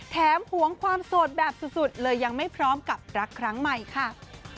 หวงความโสดแบบสุดเลยยังไม่พร้อมกับรักครั้งใหม่ค่ะ